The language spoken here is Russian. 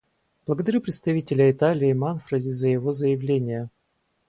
Благодарю представителя Италии Манфреди за его заявление.